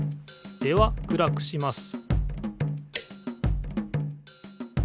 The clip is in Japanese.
では暗くします